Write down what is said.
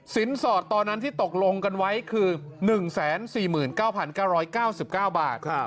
สอดตอนนั้นที่ตกลงกันไว้คือ๑๔๙๙๙๙บาท